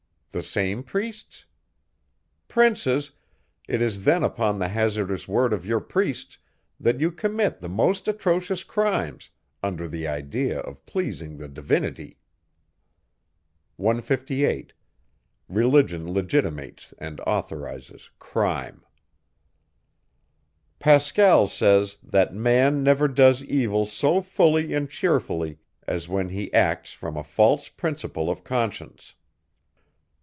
The same priests? Princes! It is then upon the hazardous word of your priests, that you commit the most atrocious crimes, under the idea of pleasing the Divinity! 158. Pascal says, "that man never does evil so fully and cheerfully, as when he acts from a false principle of conscience."